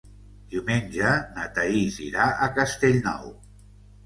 Diumenge na Thaís irà a Castellnou.